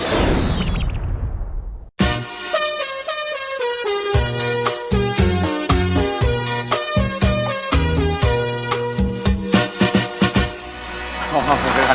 เพลงนี้สี่หมื่นบาทค่ะอินโทรเพลงที่สาม